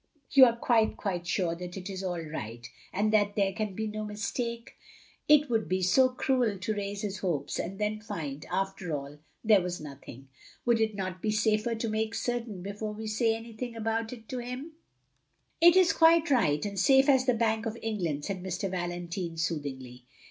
"You are quite, quite stire that it is all right, and that there can be no mistake ? It would be so cruel to raise his hopes, and then find, after all, there was nothing. Wotild it not be safer to make quite certain before we say anything about it to him?" " It is all quite right, and safe as the Bank of England," said Mr. Valentine, soothingly.